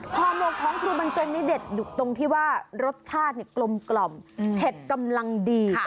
ห่อหมกของครูบรรจงเนี่ยเด็ดดูตรงที่ว่ารสชาติเนี่ยกลมกล่อมเผ็ดกำลังดี